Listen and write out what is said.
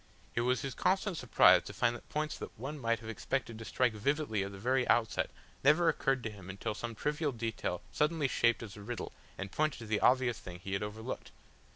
It was his constant surprise to find that points that one might have expected to strike vividly at the very outset never occurred to him until some trivial detail suddenly shaped as a riddle and pointed to the obvious thing he had overlooked.